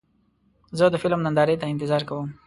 زه د فلم نندارې ته انتظار کوم.